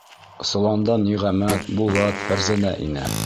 Соландан Ниғәмәт, Булат, Фәрзәнә инә.